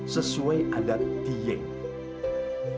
sesuai adat diem